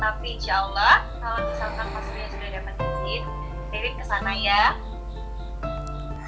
tapi insya allah kalau misalkan mas surya sudah dapat izin